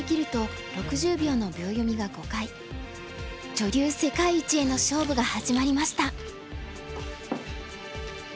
女流世界一への勝負が始まりました。